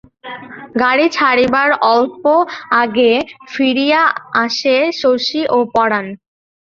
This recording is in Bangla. গাড়ি ছাড়িবার অল্প আগে ফিরিয়া আসে শশী ও পরাণ।